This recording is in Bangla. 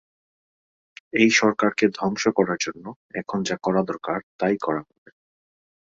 এই সরকারকে ধ্বংস করার জন্য এখন যা করা দরকার তাই করা হবে।